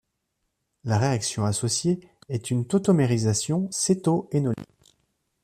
La réaction associée est une tautomérisation céto-énolique.